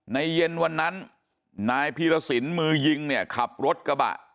เย็นวันนั้นนายพีรสินมือยิงเนี่ยขับรถกระบะ